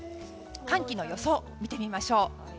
寒気の予想見てみましょう。